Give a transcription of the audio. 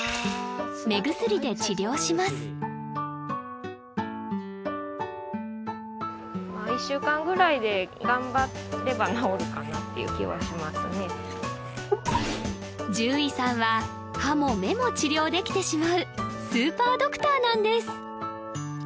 目薬で治療しますっていう気はしますね獣医さんは歯も目も治療できてしまうスーパードクターなんです